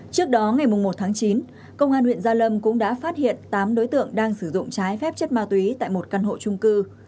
trước đó ngày một tháng chín công an huyện gia lâm cũng đã phát hiện tám đối tượng đang sử dụng trái phép chất ma túy tại một căn hộ trung cư